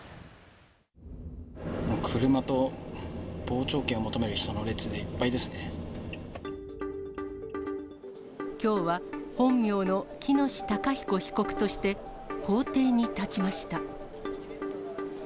車と傍聴券を求める人の列できょうは、本名の喜熨斗孝彦被告として、法廷に立ちました。